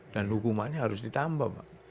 dan hukumannya harus ditambah